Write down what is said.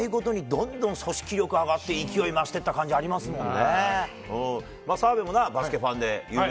試合ごとにどんどんと組織力があって、勢いが増していった感じがしますもんね。